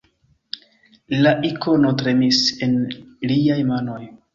La Ikono tremis en liaj manoj.